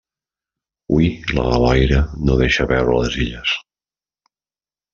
Hui la boira no deixa veure les Illes.